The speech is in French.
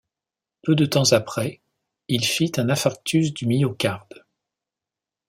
Peu de temps après, il fit un infarctus du myocarde.